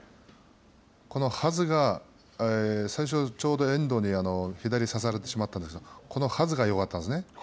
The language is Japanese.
このはずが最初ちょうど遠藤に左差されてしまったんですがこのはずがよかったですね。